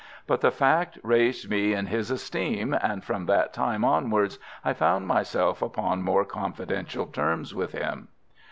But the fact raised me in his esteem, and from that time onwards I found myself upon more confidential terms with him.